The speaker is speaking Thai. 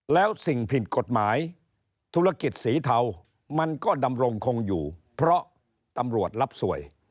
แล้วสิ่งผิดกฎหมายธุรกิจสีเทามันก็ดำรงคงอยู่เพราะตำรวจรับสวย